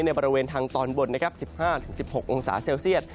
ในบริเวณทางตอนบน๑๕๑๖องศาเซลเซียส